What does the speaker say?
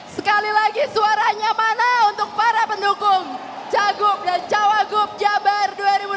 sekali lagi suaranya mana untuk para pendukung cagup dan cawagup jabar dua ribu dua puluh